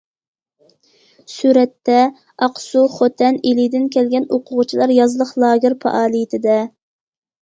سۈرەتتە: ئاقسۇ، خوتەن، ئىلىدىن كەلگەن ئوقۇغۇچىلار يازلىق لاگېر پائالىيىتىدە.